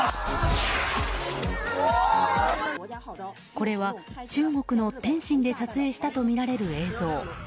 これは中国の天津で撮影したとみられる映像。